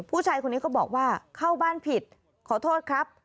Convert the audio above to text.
ผู้ชายคนนี้ก็บอกว่าเข้าบ้านผิดขอโทษครับ